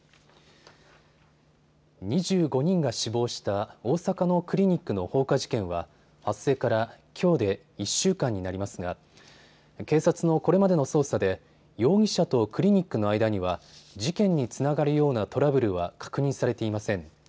２５人が死亡した大阪のクリニックの放火事件は発生からきょうで１週間になりますが警察のこれまでの捜査で容疑者とクリニックの間には事件につながるようなトラブルは確認されていません。